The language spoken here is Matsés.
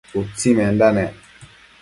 utsimenda nec